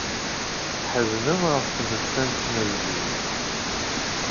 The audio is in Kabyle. Tḥeznem ɣef tmettant n uydi.